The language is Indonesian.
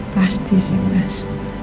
pasti sih mas